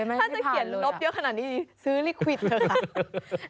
ถ้าจะเขียนลบเยอะขนาดนี้ซื้อลิขวิดเถอะค่ะ